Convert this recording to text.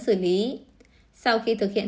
xử lý sau khi thực hiện